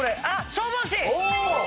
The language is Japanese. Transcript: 消防士！